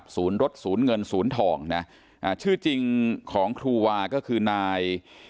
สูญรถสูญเงินสูญทองชื่อจริงของครูวาก็คือนาย